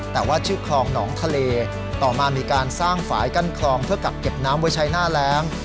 แต่ว่าชื่อคลองหนองทะเลต่อมามีการสร้างฝ่ายกั้นคลองเพื่อกักเก็บน้ำไว้ใช้หน้าแรง